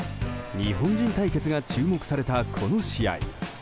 日本人対決が注目されたこの試合。